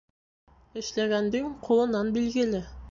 Эшләгәндең ҡулынан билгеле.